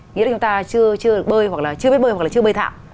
nghĩa là chúng ta chưa biết bơi hoặc là chưa bơi thạm